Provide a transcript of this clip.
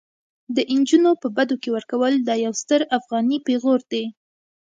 د انجونو په بدو کي ورکول دا يو ستر افغاني پيغور دي